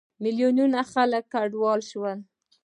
میلیونونه خلک کډوال شول.